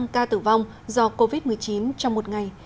bốn tám trăm linh ca tử vong do covid một mươi chín trong một ngày